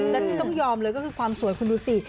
และที่ต้องยอมเลยก็คือความสวยคุณดูสิ